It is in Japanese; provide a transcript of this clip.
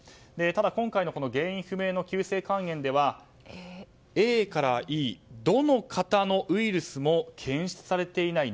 今回の原因不明の急性肝炎ではＡからＥどの型のウイルスも検出されていない。